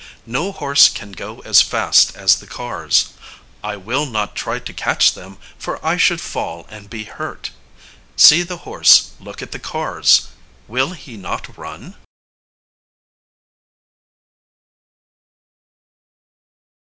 No horse can go as fast as the cars. I will not try to catch them, for I should fall and be hurt. See the horse look at the cars. Will he not run?